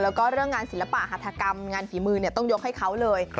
แล้วก็เรื่องงานศิลปะหัฐกรรมงานฝีมือต้องยกให้เขาเลย